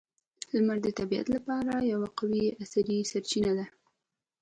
• لمر د طبیعت لپاره یوه قوی انرژي سرچینه ده.